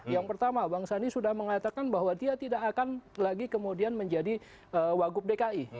yang pertama bang sandi sudah mengatakan bahwa dia tidak akan lagi kemudian menjadi wagub dki